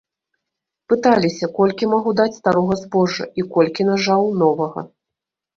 Пыталіся, колькі магу даць старога збожжа і колькі нажаў новага.